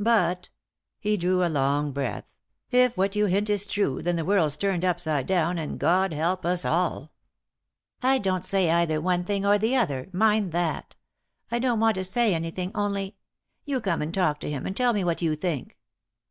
"But —" he drew a long breath — "if what you hint is true, then the world's turned upside down, and God help us all 1 "" I don't say either one thing or the other — mind that ! I don't want to say anything, only — you come and talk to him, and tell me what you think."